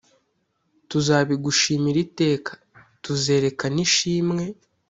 Tuzabigushimira iteka Tuzerekana ishimwe